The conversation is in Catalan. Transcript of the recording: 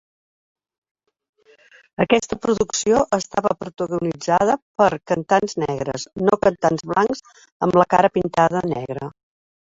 Aquesta producció estava protagonitzada per cantants negres, no cantants blancs amb la cara pintada negra.